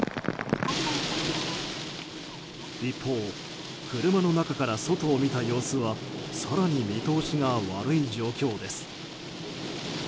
一方、車の中から外を見た様子は更に見通しが悪い状況です。